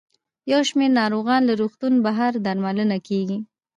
یو شمېر ناروغان له روغتون بهر درملنه کیږي.